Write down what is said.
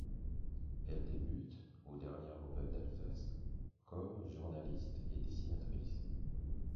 Elle débute aux Dernières Nouvelles d'Alsace comme journaliste et dessinatrice.